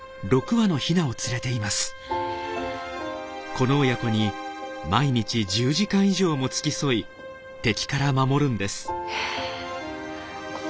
この親子に毎日１０時間以上も付き添い敵から守るんです。